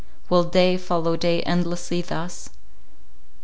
Will day follow day endlessly thus?